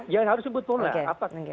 ya harus jemput bola